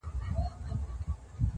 لکه ول ستوري داسمان داسي راڼه ملګري,